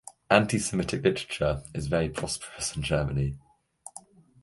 Anti-Semitic literature is very prosperous in Germany.